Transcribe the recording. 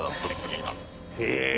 へぇ！